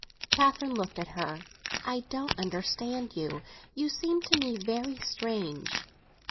Catherine looked at her. "I don't understand you. You seem to be very strange."